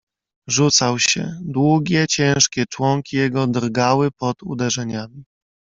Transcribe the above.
"Rzucał się: długie, ciężkie członki jego drgały pod uderzeniami."